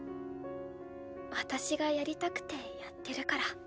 私がやりたくてやってるから。